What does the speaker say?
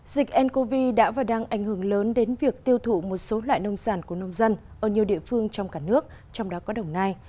dịch ncov đã và đang ảnh hưởng lớn đến việc tiêu thụ một số loại nông sản của nông dân ở nhiều địa phương trong cả nước trong đó có đồng nai